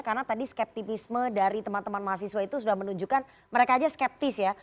karena tadi skeptisme dari teman teman mahasiswa itu sudah menunjukkan mereka aja skeptis ya